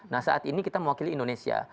nah saat ini kita mewakili indonesia